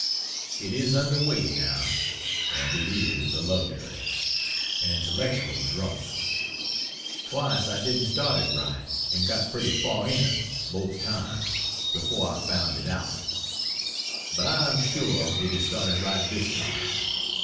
It is under way, now, and it is a luxury! an intellectual drunk: Twice I didn't start it right; and got pretty far in, both times, before I found it out. But I am sure it is started right this time.